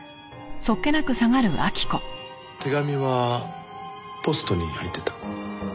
手紙はポストに入ってた？